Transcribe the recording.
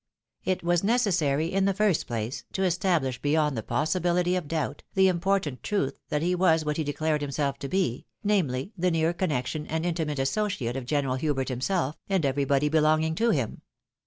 It was necessary, in the the first place, to establish beyond the possibility of doubt, the important truth that he was what he declared himself to be, namely, the near connection and intimate associate of General Hubert, himself, and everybody belonging to him.